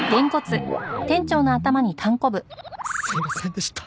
すいませんでした。